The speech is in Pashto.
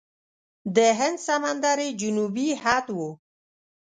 د هند سمندر یې جنوبي حد و.